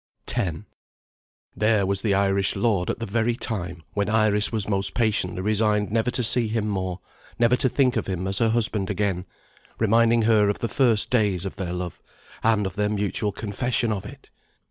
X THERE was the Irish lord at the very time when Iris was most patiently resigned never to see him more, never to think of him as her husband again reminding her of the first days of their love, and of their mutual confession of it!